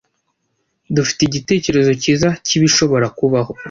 Dufite igitekerezo cyiza cyibishobora kubaho.